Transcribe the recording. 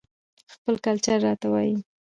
خپل کلچر راته وايى